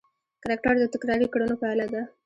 کرکټر د تکراري کړنو پایله ده.